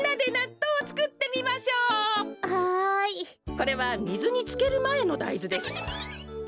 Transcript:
これはみずにつけるまえのだいずです。